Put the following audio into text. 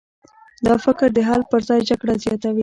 دا فکر د حل پر ځای جګړه زیاتوي.